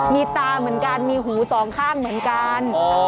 มีตาเหมือนกันมีหูสองข้างเหมือนกัน